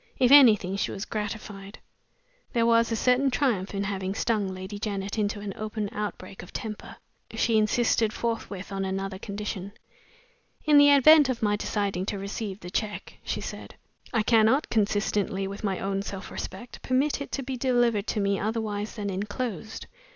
If anything, she was gratified there was a certain triumph in having stung Lady Janet into an open outbreak of temper. She insisted forthwith on another condition. "In the event of my deciding to receive the check," she said, "I cannot, consistently with my own self respect, permit it to be delivered to me otherwise than inclosed.